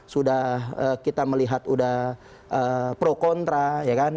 sudah kita melihat sudah pro kontra ya kan